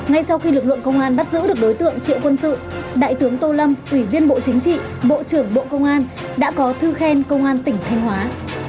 giữ được đối tượng triệu quân sự đại tướng tô lâm ủy viên bộ chính trị bộ trưởng bộ công an đã có thư khen công an tỉnh thanh hóa